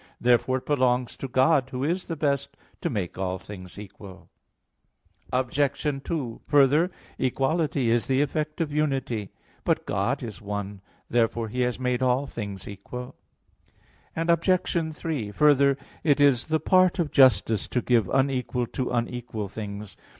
Therefore, it belongs to God, Who is the Best, to make all things equal. Obj. 2: Further, equality is the effect of unity (Metaph. v, text 20). But God is one. Therefore, He has made all things equal. Obj. 3: Further, it is the part of justice to give unequal to unequal things.